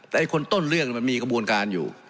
แต่คนต้นเรื่องมันมีกระบวนการอยู่